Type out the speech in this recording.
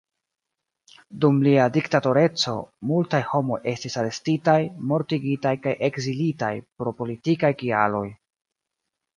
Dum lia diktatoreco, multaj homoj estis arestitaj, mortigitaj kaj ekzilitaj pro politikaj kialoj.